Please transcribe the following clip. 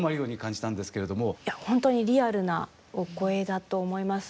本当にリアルなお声だと思いますね。